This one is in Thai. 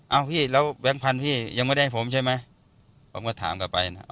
พี่แล้วแบงค์พันธุ์พี่ยังไม่ได้ให้ผมใช่ไหมผมก็ถามกลับไปนะครับ